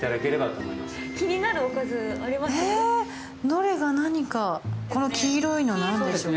どれが何かこの黄色いのは何ですか？